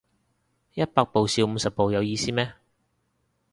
一百步笑五十步有意思咩